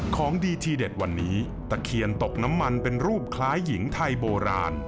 ของดีทีเด็ดวันนี้ตะเคียนตกน้ำมันเป็นรูปคล้ายหญิงไทยโบราณ